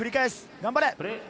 頑張れ！